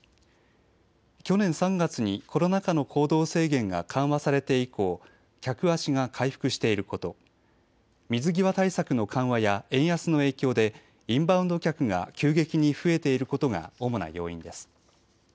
去年３月にコロナ禍の行動制限が緩和されて以降、客足が回復していること、水際対策の緩和や円安の影響でインバウンド客が急激に増えていることが主な要因です。